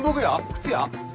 靴屋？